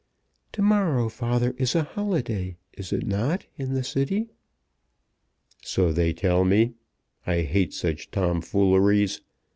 "To morrow, father, is a holiday, is it not, in the City?" "So they tell me. I hate such tom fooleries.